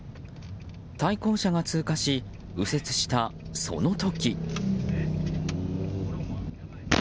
対向車が通過し右折したその時。